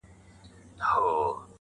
پلار ورو ورو کمزوری کيږي ډېر،